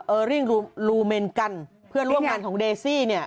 ริ่งลูเมนกันเพื่อนร่วมงานของเดซี่เนี่ย